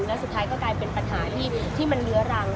แล้วสุดท้ายก็กลายเป็นปัญหาที่มันเรื้อรัง